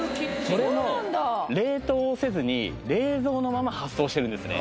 それも冷凍をせずに冷蔵のまま発送してるんですね